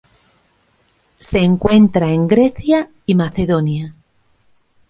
Se encuentra en Grecia y Macedonia.